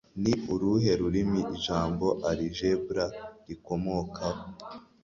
Ni uruhe rurimi Ijambo Algebra rikomokaho?